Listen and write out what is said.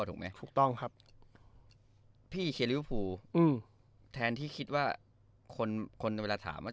ถูกไหมถูกต้องครับพี่เชียร์ลิเวอร์ฟูอืมแทนที่คิดว่าคนคนในเวลาถามว่า